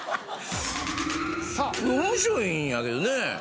面白いんやけどね。